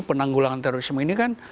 penanggulangan terorisme ini kan